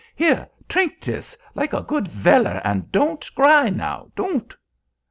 Here, trink dis, like a good veller, and don't gry now—don't!"